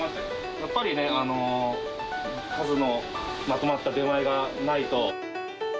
やっぱりね、数のまとまった出前がないと。